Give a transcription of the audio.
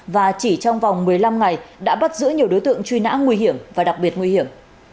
và chỉ trong vòng một mươi năm ngày đã bắt giữ nhiều đối tượng truy nã nguy hiểm và đặc biệt nguy hiểm